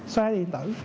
xóa điện tử